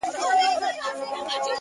• په کور کلي کي اوس ګډه واویلا وه,